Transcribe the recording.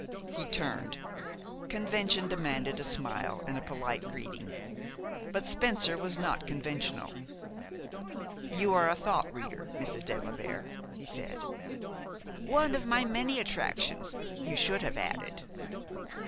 He turned. Convention demanded a smile and a polite greeting; but Spencer was not conventional. "You are a thought reader, Mrs. de la Vere," he said. "'One of my many attractions,' you should have added."